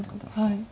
はい。